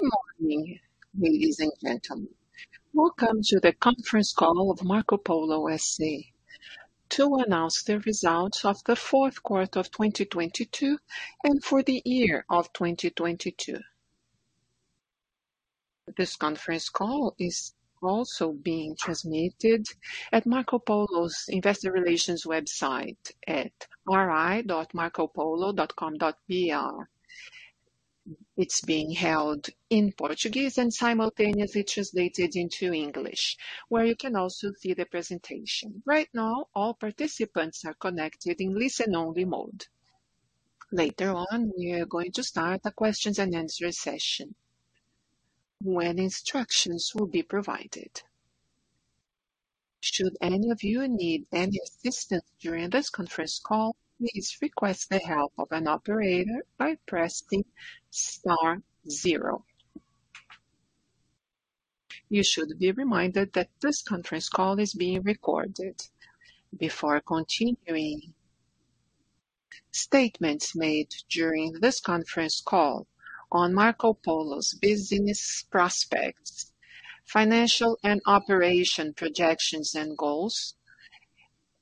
Good morning, ladies and gentlemen. Welcome to the conference call of Marcopolo S.A. to announce the results of the Q4 of 2022 and for the year of 2022. This conference call is also being transmitted at Marcopolo's investor relations website at ri.marcopolo.com.br. It's being held in Portuguese and simultaneously translated into English, where you can also see the presentation. Right now, all participants are connected in listen only mode. Later on, we are going to start a questions and answer session when instructions will be provided. Should any of you need any assistance during this conference call, please request the help of an operator by pressing star zero. You should be reminded that this conference call is being recorded. Before continuing, statements made during this conference call on Marcopolo's business prospects, financial and operation projections and goals,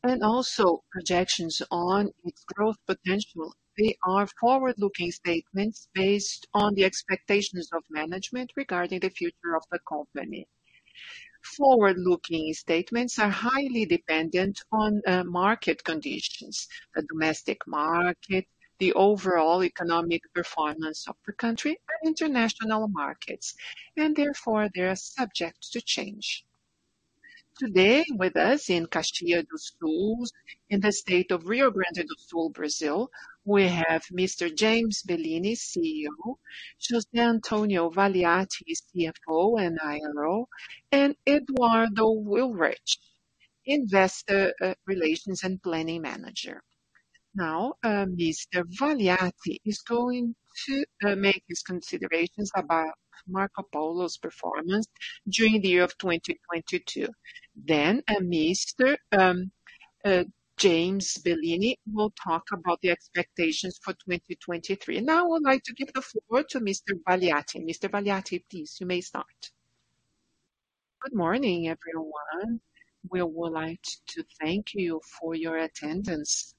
and also projections on its growth potential. They are forward-looking statements based on the expectations of management regarding the future of the company. Forward-looking statements are highly dependent on market conditions, the domestic market, the overall economic performance of the country and international markets, therefore they are subject to change. Today with us in Caxias do Sul, in the state of Rio Grande do Sul, Brazil, we have Mr. James Bellini, CEO, José Antonio Valiati, CFO and IRO, and Eduardo Willrich, Investor Relations and Planning Manager. Mr. Valiati is going to make his considerations about Marcopolo's performance during the year of 2022. Mr. James Bellini will talk about the expectations for 2023. I would like to give the floor to Mr. Valiati. Mr. Valiati, please, you may start. Good morning, everyone. We would like to thank you for your attendance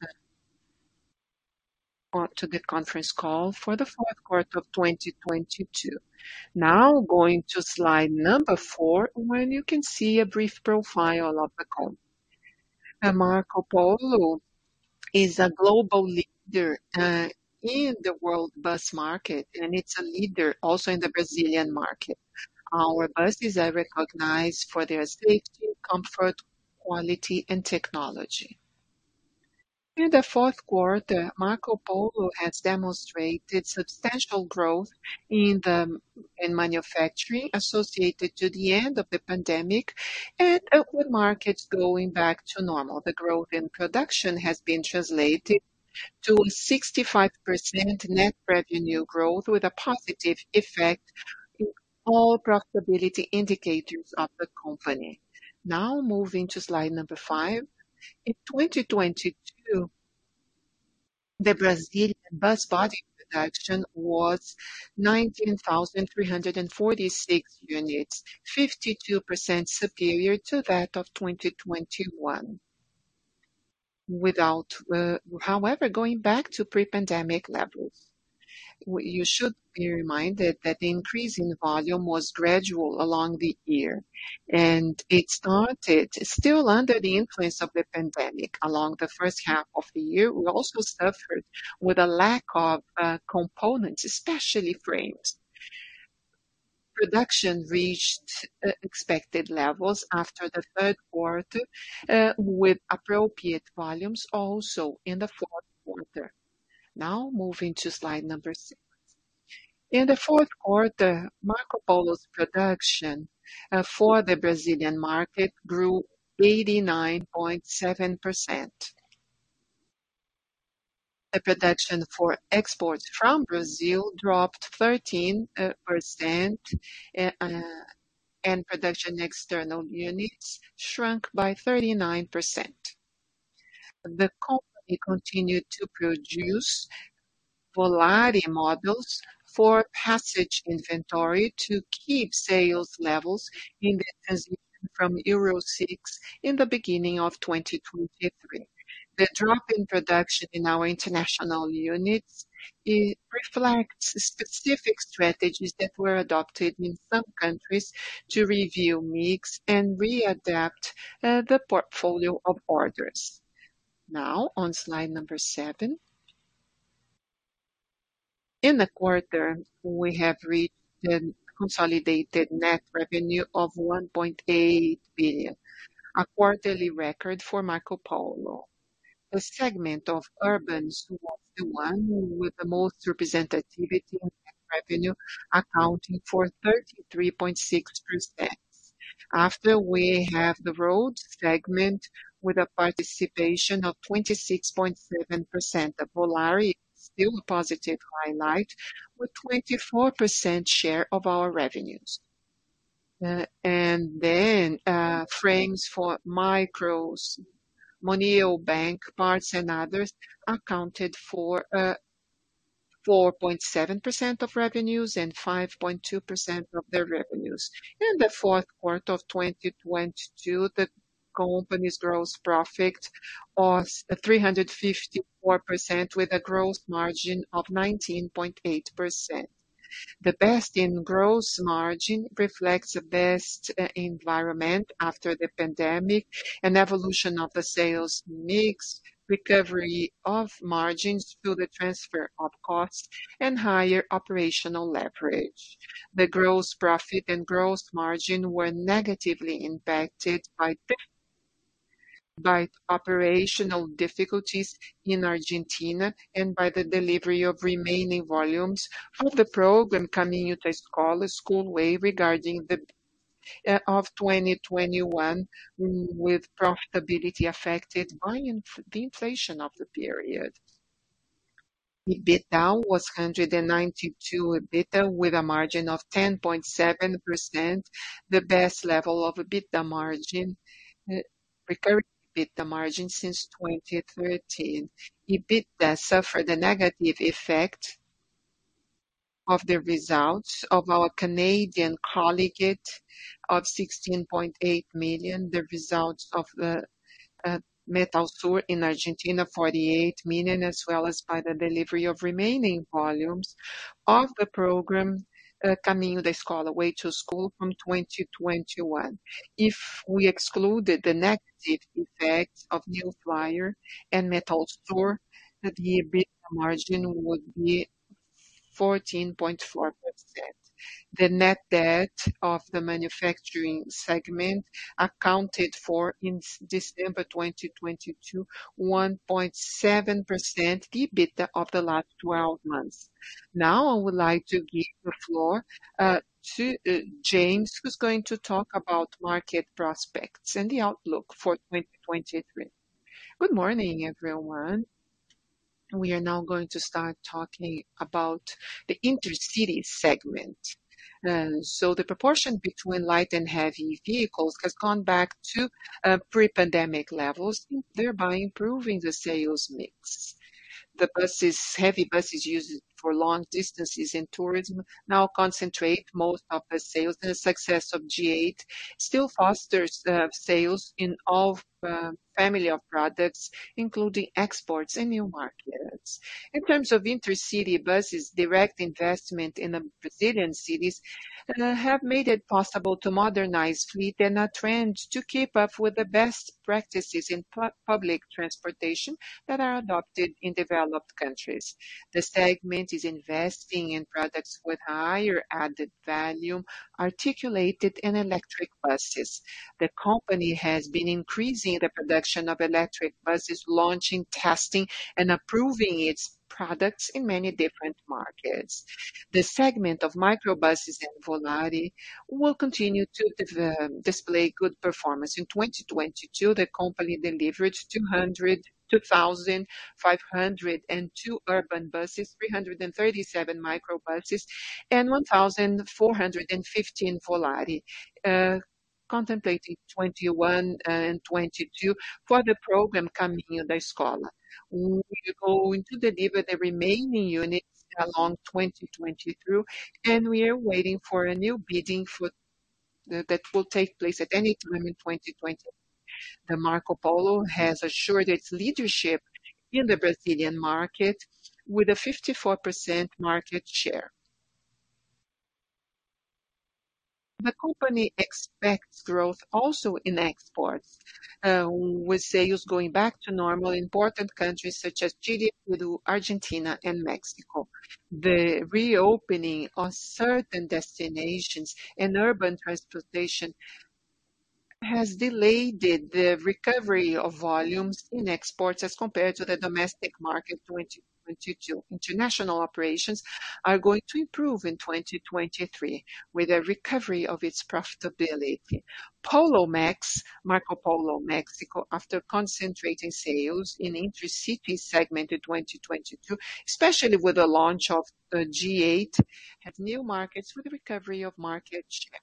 to the conference call for the Q4 of 2022. Now going to slide number 4, where you can see a brief profile of the company. Marcopolo is a global leader in the world bus market, and it's a leader also in the Brazilian market. Our buses are recognized for their safety, comfort, quality and technology. In the Q4, Marcopolo has demonstrated substantial growth in manufacturing associated to the end of the pandemic and with markets going back to normal. The growth in production has been translated to 65% net revenue growth with a positive effect in all profitability indicators of the company. Now moving to slide number 5. In 2022, the Brazilian bus body production was 19,346 units, 52% superior to that of 2021. Going back to pre-pandemic levels, you should be reminded that the increase in volume was gradual along the year, and it started still under the influence of the pandemic. Along the first half of the year, we also suffered with a lack of components, especially frames. Production reached expected levels after the Q3, with appropriate volumes also in the Q4. Moving to slide number 6. In the Q4 Marcopolo's production for the Brazilian market grew 89.7%. The production for exports from Brazil dropped 13%, and production external units shrunk by 39%. The company continued to produce Volare models for passage inventory to keep sales levels in the transition from Euro 6 in the beginning of 2023. The drop in production in our international units, it reflects specific strategies that were adopted in some countries to review mix and readapt the portfolio of orders. On slide 7. In the quarter, we have reached a consolidated net revenue of 1.8 billion, a quarterly record for Marcopolo. The segment of urbans was the one with the most representativity in net revenue, accounting for 33.6%. We have the road segment with a participation of 26.7%. The Volare is still a positive highlight with 24% share of our revenues. Frames for micros, Moneo bank parts and others accounted for 4.7% of revenues and 5.2% of their revenues. In the Q4 of 2022, the company's gross profit was at 354% with a gross margin of 19.8%. The best in gross margin reflects the best environment after the pandemic and evolution of the sales mix, recovery of margins through the transfer of costs and higher operational leverage. The gross profit and gross margin were negatively impacted by operational difficulties in Argentina and by the delivery of remaining volumes of the program Caminho da Escola School Way, regarding the of 2021, with profitability affected by the inflation of the period. EBITDA was 192 EBITDA with a margin of 10.7%, the best level of EBITDA margin, recurring EBITDA margin since 2013. EBITDA suffered a negative effect of the results of our Canadian affiliate of 16.8 million, the results of the Metalsur in Argentina, 48 million, as well as by the delivery of remaining volumes of the program, Caminho da Escola, Way to School, from 2021. If we excluded the negative effect of New Flyer and Metalsur, the EBITDA margin would be 14.4%. The net debt of the manufacturing segment accounted for in December 2022, 1.7% EBITDA of the last twelve months. Now, I would like to give the floor to James, who's going to talk about market prospects and the outlook for 2023. Good morning, everyone. We are now going to start talking about the intercity segment. The proportion between light and heavy vehicles has gone back to pre-pandemic levels, thereby improving the sales mix. The buses, heavy buses used for long distances and tourism now concentrate most of the sales. The success of G8 still fosters sales in all family of products, including exports and new markets. In terms of intercity buses, direct investment in the Brazilian cities have made it possible to modernize fleet in a trend to keep up with the best practices in public transportation that are adopted in developed countries. The segment is investing in products with higher added value, articulated and electric buses. The company has been increasing the production of electric buses, launching, testing, and approving its products in many different markets. The segment of micro buses and Volare will continue to display good performance. In 2022, the company delivered 2,502 urban buses, 337 micro buses, and 1,415 Volare, contemplating 2021 and 2022 for the program Caminho da Escola. We go on to deliver the remaining units along 2022, and we are waiting for a new bidding that will take place at any time in 2023. Marcopolo has assured its leadership in the Brazilian market with a 54% market share. The company expects growth also in exports, with sales going back to normal in important countries such as Chile, Peru, Argentina, and Mexico. The reopening of certain destinations and urban transportation has delayed the recovery of volumes in exports as compared to the domestic market in 2022. International operations are going to improve in 2023 with a recovery of its profitability. Polomex, Marcopolo Mexico, after concentrating sales in intercity segment in 2022, especially with the launch of G8, have new markets with recovery of market share.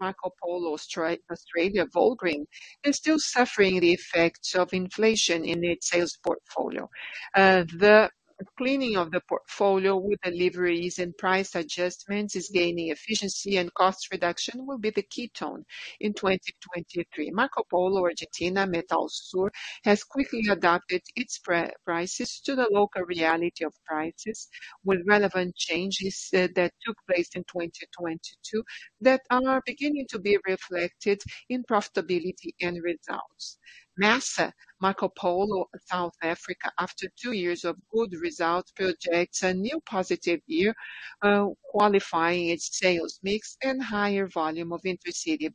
Marcopolo Australia Volgren is still suffering the effects of inflation in its sales portfolio. The cleaning of the portfolio with deliveries and price adjustments is gaining efficiency, and cost reduction will be the key tone in 2023. Marcopolo Argentina, Metalsur, has quickly adapted its prices to the local reality of prices with relevant changes that took place in 2022 that are now beginning to be reflected in profitability and results. MASA, Marcopolo South Africa, after 2 years of good results, projects a new positive year, qualifying its sales mix and higher volume of intercity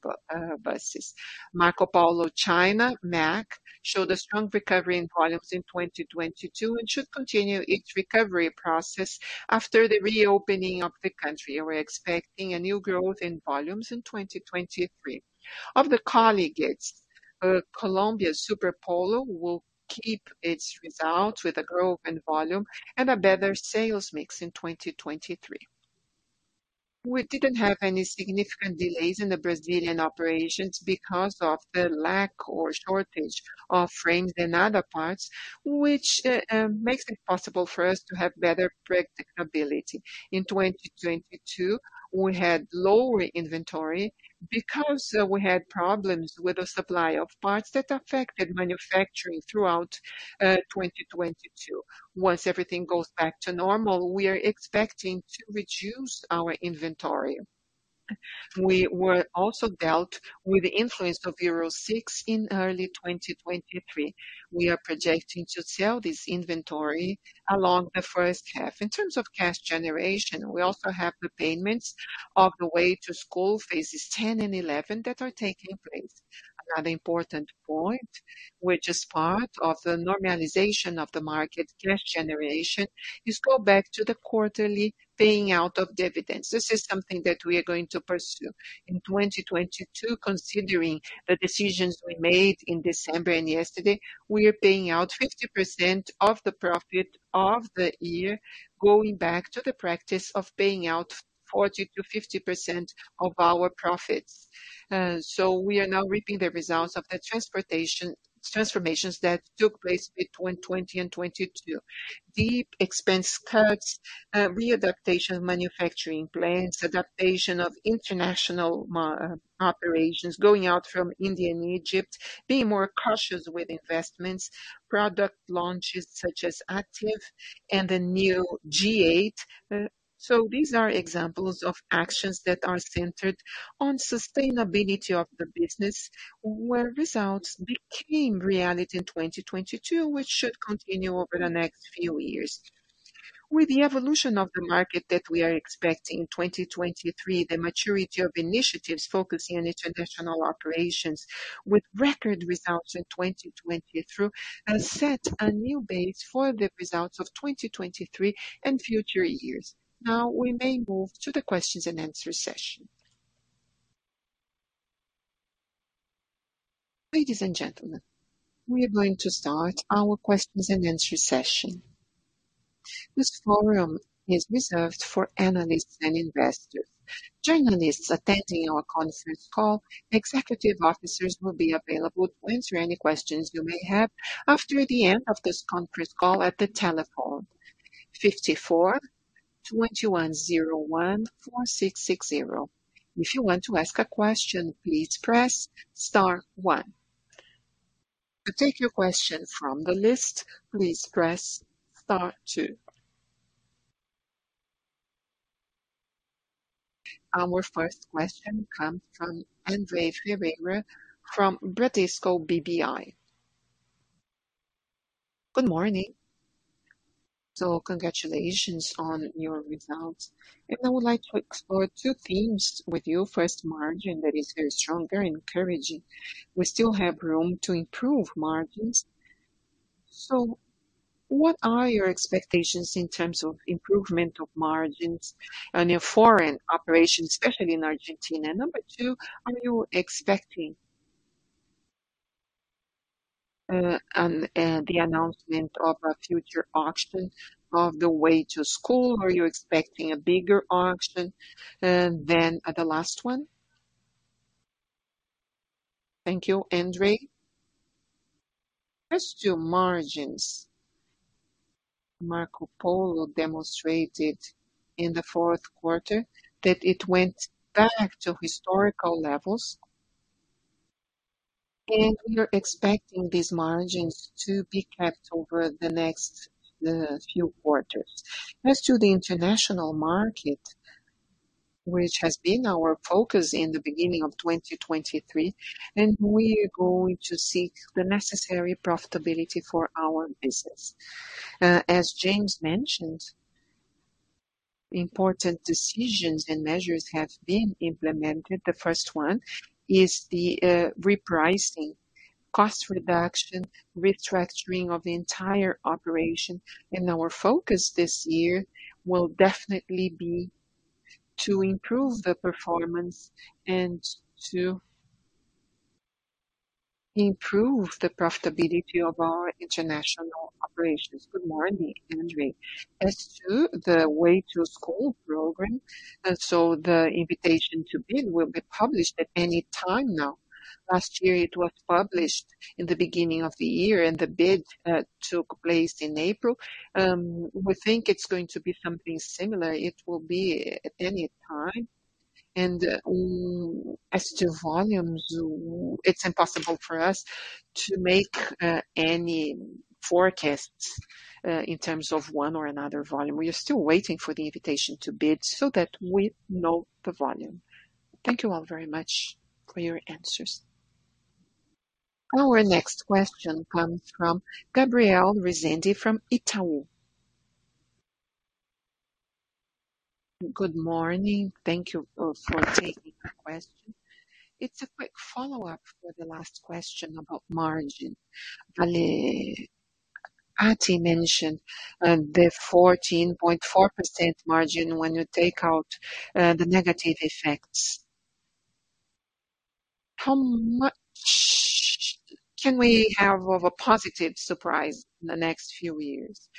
buses. Marcopolo China, MAC showed a strong recovery in volumes in 2022 and should continue its recovery process after the reopening of the country. We're expecting a new growth in volumes in 2023. Of the colligates, Colombia Superpolo will keep its results with a growth in volume and a better sales mix in 2023. We didn't have any significant delays in the Brazilian operations because of the lack or shortage of frames and other parts, which makes it possible for us to have better predictability. In 2022, we had lower inventory because we had problems with the supply of parts that affected manufacturing throughout 2022. Once everything goes back to normal, we are expecting to reduce our inventory. We were also dealt with the influence of Euro 6 in early 2023. We are projecting to sell this inventory along the first half. In terms of cash generation, we also have repayments of Caminho da Escola phases 10 and 11 that are taking place. Another important point, which is part of the normalization of the market cash generation, is go back to the quarterly paying out of dividends. This is something that we are going to pursue in 2022, considering the decisions we made in December and yesterday. We are paying out 50% of the profit of the year, going back to the practice of paying out 40%-50% of our profits. We are now reaping the results of the transformations that took place between 2020 and 2022. Deep expense cuts, readaptation of manufacturing plants, adaptation of international operations, going out from India and Egypt, being more cautious with investments, product launches such as Attivi and the new G8. These are examples of actions that are centered on sustainability of the business, where results became reality in 2022, which should continue over the next few years. With the evolution of the market that we are expecting in 2023, the maturity of initiatives focusing on international operations with record results in 2022 has set a new base for the results of 2023 and future years. Now we may move to the questions and answer session. Ladies and gentlemen, we are going to start our questions and answer session. This forum is reserved for analysts and investors. Journalists attending our conference call, executive officers will be available to answer any questions you may have after the end of this conference call at the telephone 54 2101 4660. If you want to ask a question, please press star one. To take your question from the list, please press star two. Our first question comes from André Ferreira from Bradesco BBI. Good morning. Congratulations on your results. I would like to explore two themes with you. First, margin, that is very strong, very encouraging. We still have room to improve margins. What are your expectations in terms of improvement of margins on your foreign operations, especially in Argentina? Number two, are you expecting the announcement of a future auction of the Caminho da Escola? Are you expecting a bigger auction than the last one? Thank you, André. As to margins, Marcopolo demonstrated in the Q4 that it went back to historical levels. We are expecting these margins to be kept over the next few quarters. As to the international market, which has been our focus in the beginning of 2023, and we are going to seek the necessary profitability for our business. As James mentioned, important decisions and measures have been implemented. The first one is the repricing, cost reduction, restructuring of the entire operation. Our focus this year will definitely be to improve the performance and to improve the profitability of our international operations. Good morning, André. As to the Caminho da Escola program, and so the invitation to bid will be published at any time now. Last year, it was published in the beginning of the year, and the bid took place in April. We think it's going to be something similar. It will be at any time. As to volumes, it's impossible for us to make any forecasts in terms of one or another volume. We are still waiting for the invitation to bid so that we know the volume. Thank you all very much for your answers. Our next question comes from Gabriel Rezende from Itaú. Good morning. Thank you for taking my question. It's a quick follow-up for the last question about margin. Valiati mentioned the 14.4% margin when you take out the negative effects. How much can we have of a positive surprise in the next few years?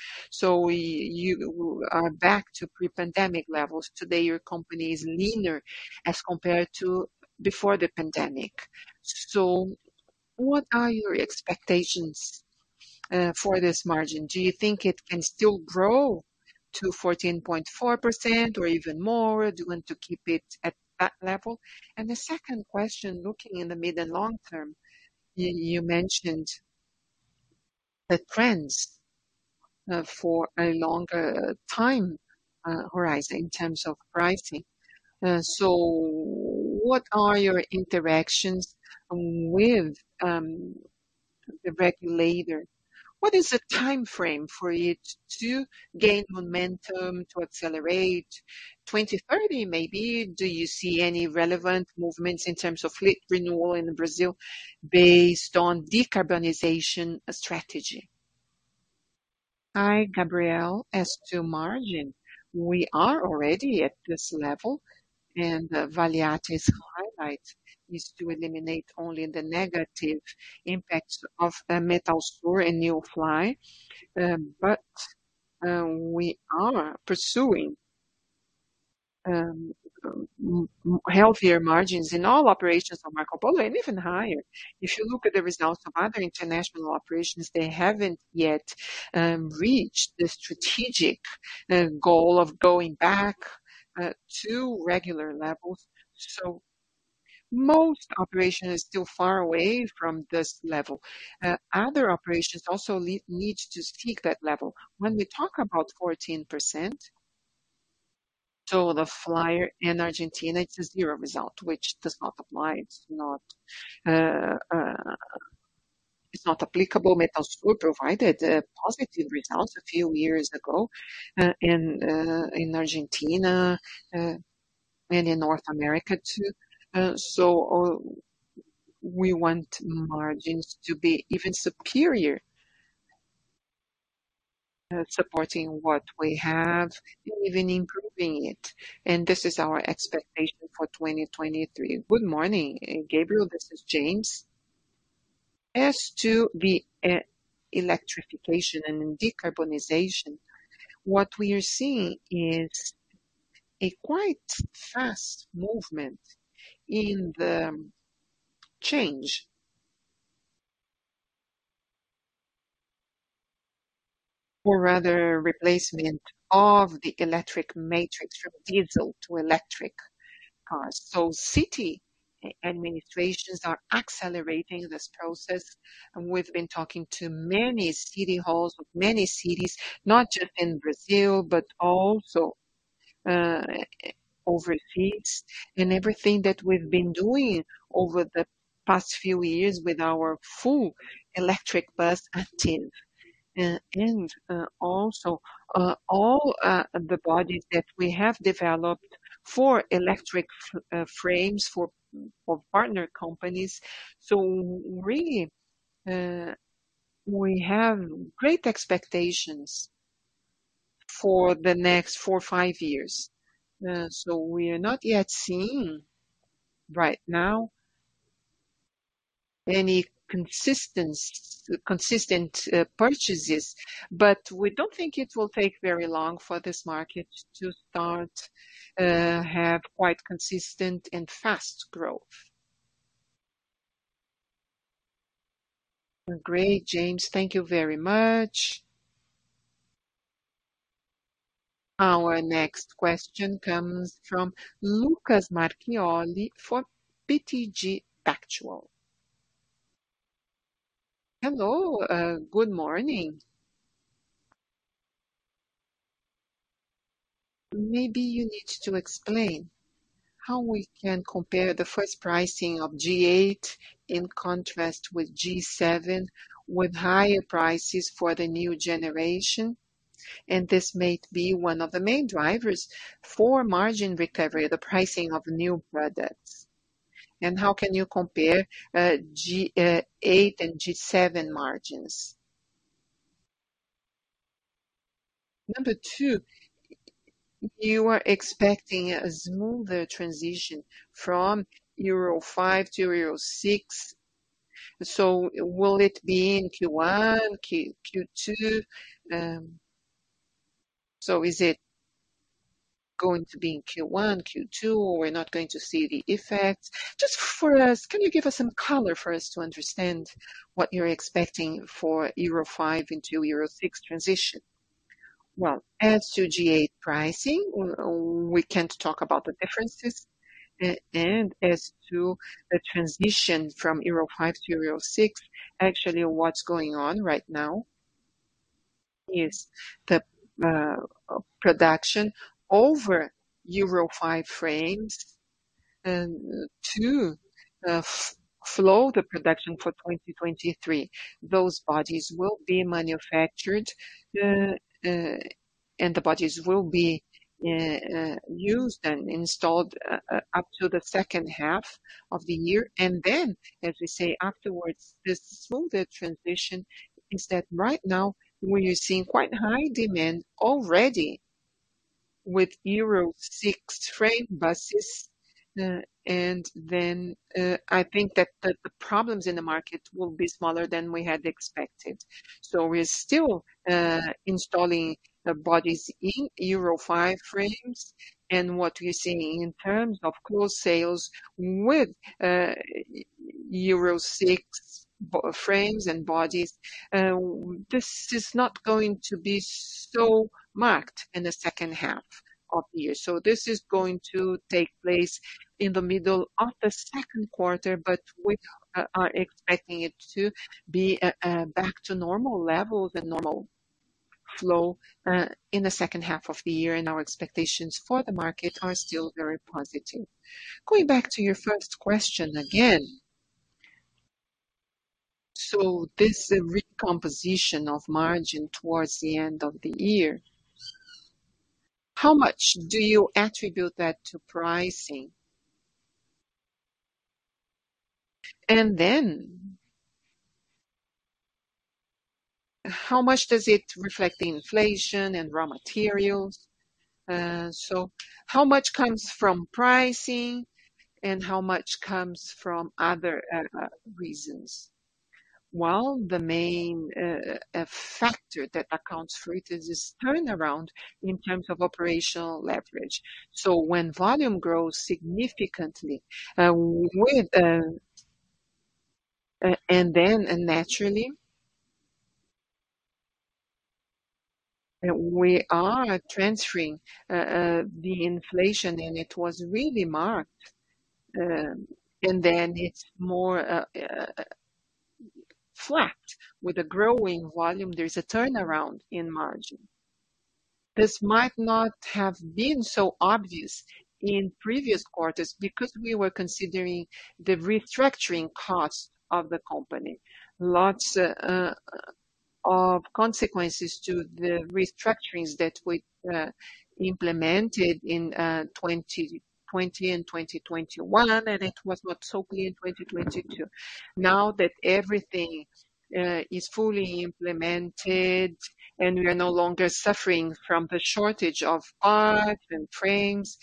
You are back to pre-pandemic levels. Today, your company is leaner as compared to before the pandemic. What are your expectations for this margin? Do you think it can still grow to 14.4% or even more? Do you want to keep it at that level? The second question, looking in the mid and long term, you mentioned the trends for a longer time horizon in terms of pricing. What are your interactions with the regulator? What is the time frame for you to gain momentum to accelerate 2030, maybe? Do you see any relevant movements in terms of fleet renewal in Brazil based on decarbonization strategy? Hi, Gabriel. As to margin, we are already at this level, and Valiati's highlight is to eliminate only the negative impacts of Metalsur and New Flyer. We are pursuing healthier margins in all operations of Marcopolo and even higher. If you look at the results of other international operations, they haven't yet reached the strategic goal of going back to regular levels. Most operation is still far away from this level. Other operations also needs to seek that level. When we talk about 14%, so the New Flyer in Argentina, it's a zero result, which does not apply. It's not, it's not applicable. Metalsur provided positive results a few years ago in Argentina and in North America too. We want margins to be even superior, supporting what we have and even improving it. This is our expectation for 2023. Good morning, Gabriel. This is James. As to the electrification and decarbonization, what we are seeing is a quite fast movement in the change or rather replacement of the electric matrix from diesel to electric cars. City administrations are accelerating this process, and we've been talking to many city halls of many cities, not just in Brazil, but also overseas. Everything that we've been doing over the past few years with our full electric bus team, and also all the bodies that we have developed for electric frames for partner companies. Really, we have great expectations for the next four or five years. We are not yet seeing right now any consistent purchases, but we don't think it will take very long for this market to start have quite consistent and fast growth. Great, James. Thank you very much. Our next question comes from Lucas Marquiori for BTG Pactual. Hello, good morning. Maybe you need to explain how we can compare the first pricing of G8 in contrast with G7 with higher prices for the new generation. This may be one of the main drivers for margin recovery, the pricing of new products. How can you compare G8 and G7 margins. 2, you are expecting a smoother transition from Euro 5 to Euro 6. Will it be in Q1, Q2? Is it going to be in Q1, Q2, or we're not going to see the effect? Just for us, can you give us some color for us to understand what you're expecting for Euro 5 into Euro 6 transition? Well, as to G8 pricing, we can't talk about the differences. As to the transition from Euro 5 to Euro 6, actually what's going on right now is the production over Euro 5 frames to flow the production for 2023. Those bodies will be manufactured. And the bodies will be used and installed up to the second half of the year. As we say afterwards, this smoother transition is that right now we are seeing quite high demand already with Euro 6 frame buses. I think that the problems in the market will be smaller than we had expected. We're still installing bodies in Euro 5 frames and what we're seeing in terms of core sales with Euro 6 frames and bodies, this is not going to be so marked in the second half of the year. This is going to take place in the middle of the 2nd quarter, but we are expecting it to be back to normal level, the normal flow, in the 2nd half of the year, and our expectations for the market are still very positive. Going back to your first question again. This recomposition of margin towards the end of the year, how much do you attribute that to pricing? How much does it reflect the inflation and raw materials? How much comes from pricing and how much comes from other reasons? Well, the main factor that accounts for it is this turnaround in terms of operational leverage. When volume grows significantly, with, and then naturally we are transferring the inflation, and it was really marked. It's more flat. With a growing volume, there's a turnaround in margin. This might not have been so obvious in previous quarters because we were considering the restructuring costs of the company. Lots of consequences to the restructurings that we implemented in 2020 and 2021, and then it was not so clear in 2022. Now that everything is fully implemented and we are no longer suffering from the shortage of parts and frames,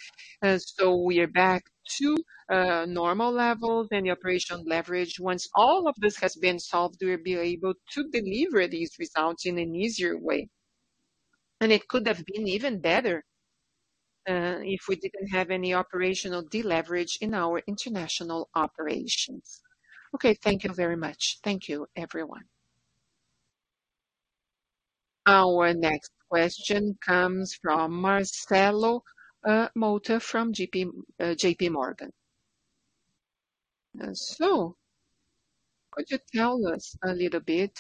we are back to a normal level. The operational leverage. Once all of this has been solved, we'll be able to deliver these results in an easier way. It could have been even better if we didn't have any operational deleverage in our international operations. Okay. Thank you very much. Thank you, everyone. Our next question comes from Marcelo Motta from JPMorgan. Could you tell us a little bit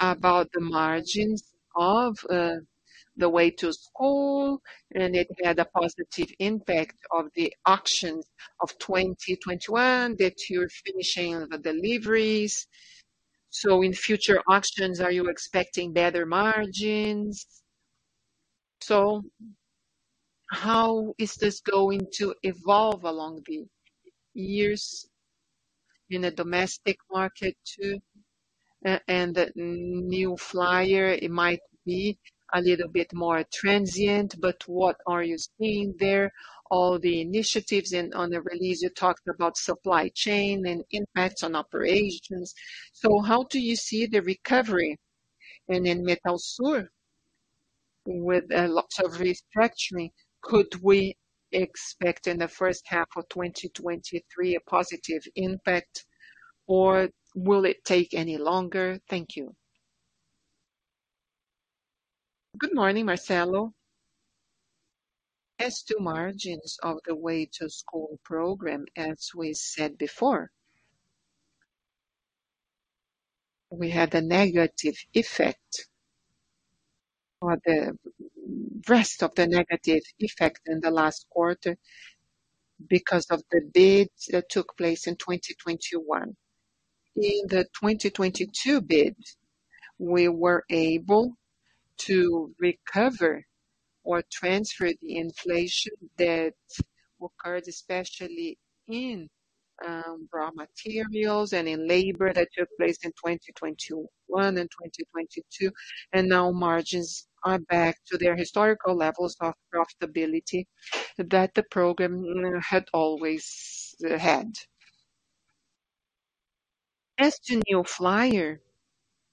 about the margins of the Way to School, and it had a positive impact of the auctions of 2021 that you're finishing the deliveries. In future auctions, are you expecting better margins? How is this going to evolve along the years in the domestic market too? And New Flyer, it might be a little bit more transient, but what are you seeing there? All the initiatives and on the release you talked about supply chain and impacts on operations. How do you see the recovery? In Metalsur with lots of restructuring, could we expect in the first half of 2023 a positive impact, or will it take any longer? Thank you. Good morning, Marcelo. As to margins of the Caminho da Escola program, as we said before, we had a negative effect or the rest of the negative effect in the last quarter because of the bids that took place in 2021. In the 2022 bid, we were able to recover or transfer the inflation that occurred, especially in raw materials and in labor that took place in 2021 and 2022. Now margins are back to their historical levels of profitability that the program had always had. As to New Flyer,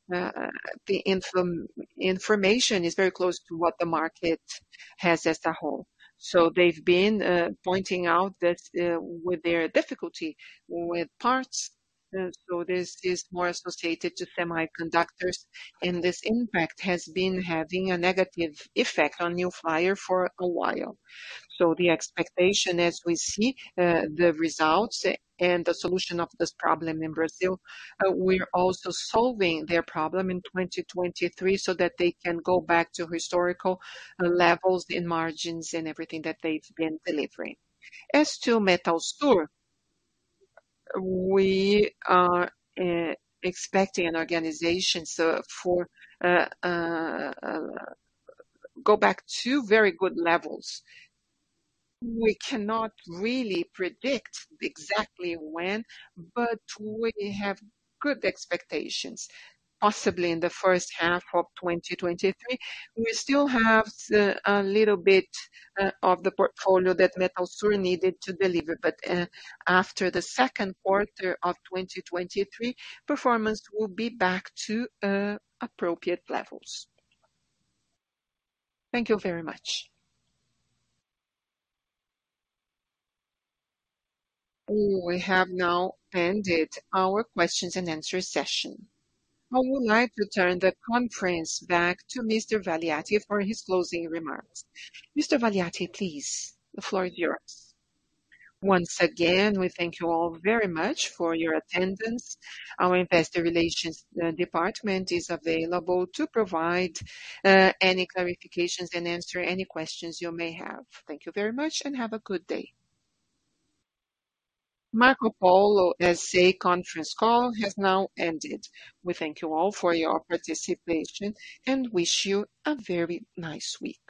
the information is very close to what the market has as a whole. They've been pointing out that with their difficulty with parts, this is more associated to semiconductors. This impact has been having a negative effect on New Flyer for a while. The expectation as we see the results and the solution of this problem in Brazil, we're also solving their problem in 2023 so that they can go back to historical levels in margins and everything that they've been delivering. As to Metalsur, we are expecting an organization, so for go back to very good levels. We cannot really predict exactly when, but we have good expectations, possibly in the first half of 2023. We still have a little bit of the portfolio that Metalsur needed to deliver. After the Q2 of 2023, performance will be back to appropriate levels. Thank you very much. We have now ended our questions and answer session. I would like to turn the conference back to Mr. Valiati for his closing remarks. Mr. Valiati, please, the floor is yours. Once again, we thank you all very much for your attendance. Our investor relations department is available to provide any clarifications and answer any questions you may have. Thank you very much and have a good day. Marcopolo S.A. conference call has now ended. We thank you all for your participation and wish you a very nice week.